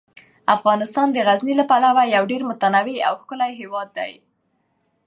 افغانستان د غزني له پلوه یو ډیر متنوع او ښکلی هیواد دی.